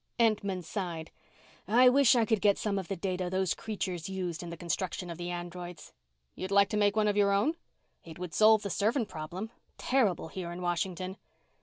Entman sighed. "I wish I could get some of the data those creatures used in the construction of the androids." "You'd like to make one of your own?" "It would solve the servant problem. Terrible here in Washington."